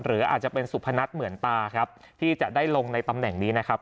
หรืออาจจะเป็นสุพนัทเหมือนตาครับที่จะได้ลงในตำแหน่งนี้นะครับ